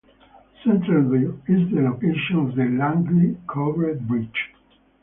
Centreville is the location of the Langley Covered Bridge.